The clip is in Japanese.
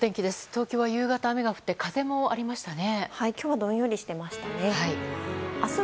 東京は夕方、雨が降って風もありましたね。